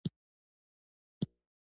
ایران د پلونو هیواد هم دی.